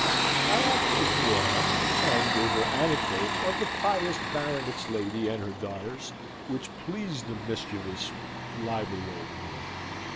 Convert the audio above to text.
I acted it for her, and gave her anecdotes of the pious Baronet's lady and her daughters, which pleased the mischievous, lively old woman.